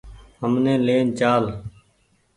همني لين چآل۔